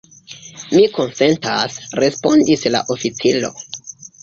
Mi konsentas, respondis la oficiro.